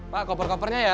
pak koper kopernya ya